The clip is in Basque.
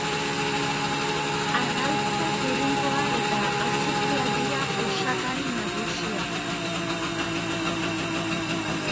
Arrautza gorringoa eta azukrea dira osagai nagusiak.